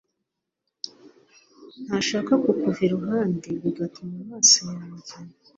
ntashaka kukuva iruhande bigatuma amaso yajye